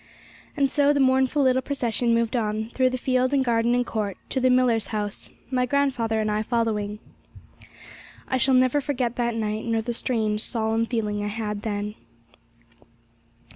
And so the mournful little procession moved on, through the field and garden and court, to the Millars' house, my grandfather and I following. I shall never forget that night, nor the strange, solemn feeling I had then.